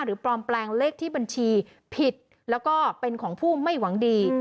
ปลอมแปลงเลขที่บัญชีผิดแล้วก็เป็นของผู้ไม่หวังดี